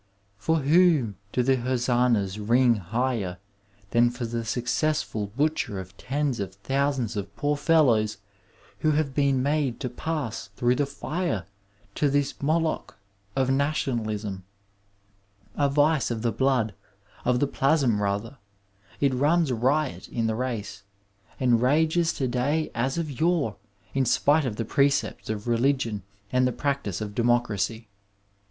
For whom do the hoeannas ring 285 Digitized by VjOOQiC CHAUVINISM IN MEDICINE higher than for the successful butcher of tens of thousands of poor fellows who have been made to pass through tiie fire to this Moloch of nationalism ? A vice of the blood, of the plasm rather, it runs riot in the race, and rages to day as of yore in spite of the precepts of religion and tiie practice of democracy.